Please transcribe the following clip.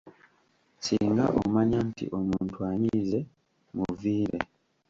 Singa omanya nti omuntu anyiize, muviire.